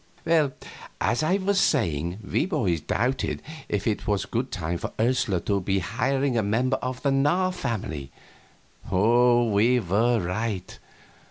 Well, as I was saying, we boys doubted if it was a good time for Ursula to be hiring a member of the Narr family. We were right.